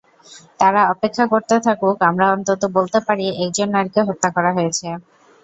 তারা অপেক্ষা করতে থাকুক, আমরা অন্তত বলতে পারি—একজন নারীকে হত্যা করা হয়েছে।